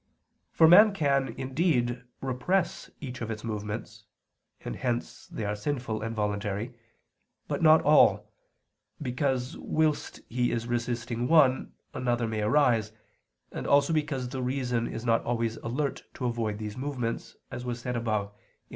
For man can, indeed, repress each of its movements (and hence they are sinful and voluntary), but not all, because whilst he is resisting one, another may arise, and also because the reason is not always alert to avoid these movements, as was said above (Q.